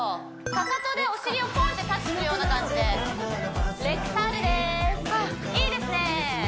かかとでお尻をポンッてタッチするような感じでレッグカールですいいですね